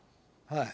はい。